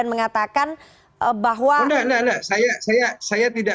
pemerintah yang mengajak kita mencari jawaban dari para pemerintah yang mengajak kita mencari jawaban dari